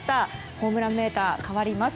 ホームランメーター変わります。